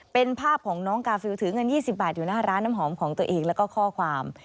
เป็นภาพของน้องกาฟิลถือเงิน๒๐บาทอยู่หน้าร้านน้ำหอมของตัวเองแล้วก็ข้อความ